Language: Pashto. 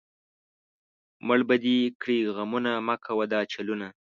مړ به دې کړي غمونه، مۀ کوه دا چلونه